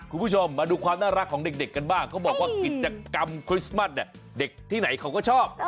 คุณผู้ชมมาดูความน่ารักของเด็กกันบ้างเขาบอกว่ากิจกรรมคริสต์มัสเนี่ยเด็กที่ไหนเขาก็ชอบ